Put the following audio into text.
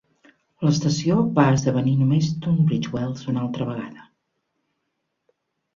L'estació va esdevenir només Tunbridge Wells una altra vegada.